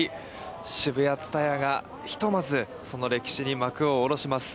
ＳＨＩＢＵＹＡＴＳＵＴＡＹＡがひとまずその歴史に幕を下ろします。